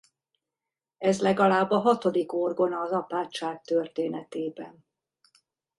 Ez legalább a hatodik orgona az apátság történetében.